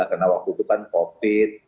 karena waktu itu kan covid